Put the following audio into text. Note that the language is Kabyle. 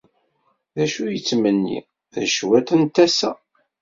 D acu yettmenni d cwiṭ n tasa.